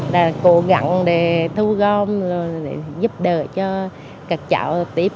đã cố gắng để thu gom rồi giúp đỡ cho các cháu tiếp